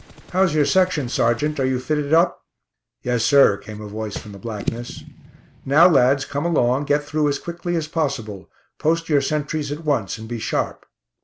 "How's your section, sergeant? Are you fitted up?" "Yes, sir," came a voice from the blackness. "Now, lads, come along: get through as quickly as possible. Post your sentries at once, and be sharp."